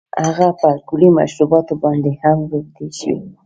هغه په الکولي مشروباتو باندې هم روږدی شوی و